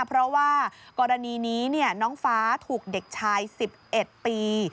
เพราะว่ากรณีนี้น้องฟ้าถูกเด็กชาย๑๑ปี